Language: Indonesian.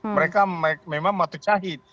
mereka memang matu cahit